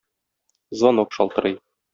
Звонок шалтырый.